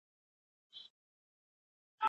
ټولنې ولې بدلون مومي؟